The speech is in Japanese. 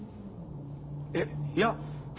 えっいや。